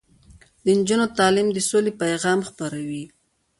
د نجونو تعلیم د سولې پیغام خپروي.